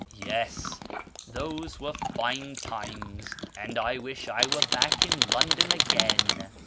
Yes, those were fine times, and I wish I were back in London aoain."